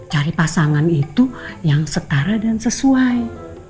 cari pasangan itu yang setara dan sesuai